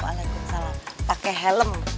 waalaikumsalam pake helm